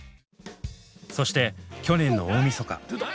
そして去年の大みそか。